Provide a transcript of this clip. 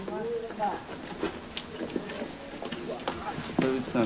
田渕さん